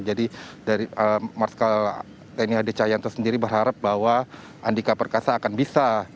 jadi dari marskal hadi cahyanto sendiri berharap bahwa andika perkasa akan bisa